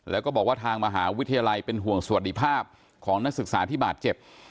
แล้วก็บอกว่าทางมหาวิทยาลัยเป็นห่วงสวัสดีภาพของนักศึกษาที่บาดเจ็บ